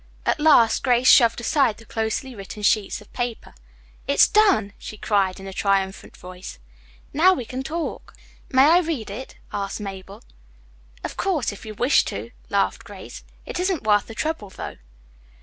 At last Grace shoved aside the closely written sheets of paper. "It's done," she cried, in a triumphant voice. "Now we can talk." "May I read it?" asked Mabel. "Of course, if you wish to," laughed Grace. "It isn't worth the trouble, though."